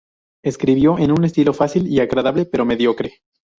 Escribió en un estilo fácil y agradable, pero mediocre.